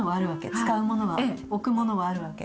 使うものは置くものはあるわけ。